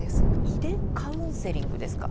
遺伝カウンセリングですか。